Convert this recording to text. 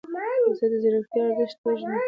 زه د ځیرکتیا ارزښت پیژنم.